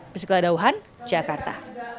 pesikula dauhan jakarta